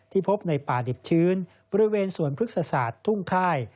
พบในป่าดิบชื้นบริเวณสวนพฤกษศาสตร์ทุ่งค่าย